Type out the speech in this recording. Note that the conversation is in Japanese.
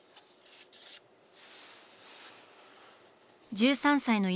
１３歳の乾